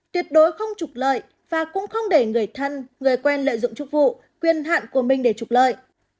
tuyệt đối không trục lợi và cũng không để người thân người quen lợi dụng chức vụ quyền hạn của mình để trục lợi